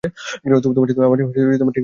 তোমার সাথে আমার ঠিকভাবে দেখাও হয়নি।